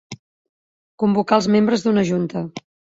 Convocar els membres d'una junta.